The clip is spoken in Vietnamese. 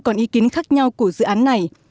còn ý kiến khác nhau của dự án này